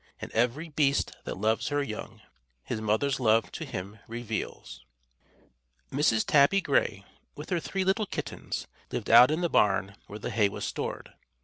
And ev'ry beast that loves her young, His mother's love to him reveals_." Mrs. Tabby Gray, with her three little kittens, lived out in the barn where the hay was stored.